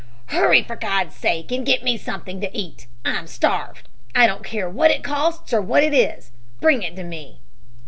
"'Hurry, for God's sake, and get me something to eat, I'm starved. I don't care what it costs or what it is. Bring it to me.'"